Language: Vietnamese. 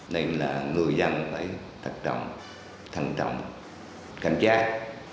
nên là người dân phải thật trọng thân trọng cảnh giác